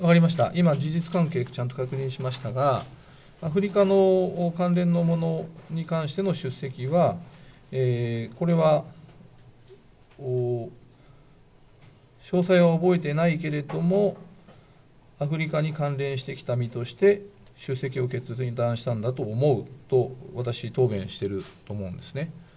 今、事実関係ちゃんと確認しましたが、アフリカの関連のものに関しての出席は、これは詳細は覚えていないけれども、アフリカに関連してきた身として出席を決断したんだと思うと私、答弁してると思うんですね。